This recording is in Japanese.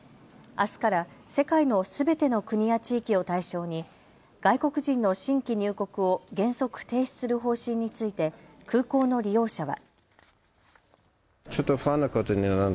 あすから世界のすべての国や地域を対象に外国人の新規入国を原則、停止する方針について空港の利用者は。